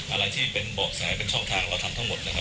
อะไรที่เป็นเบาะแสเป็นช่องทางเราทำทั้งหมดนะครับ